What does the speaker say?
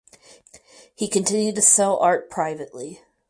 He continued to sell art privately.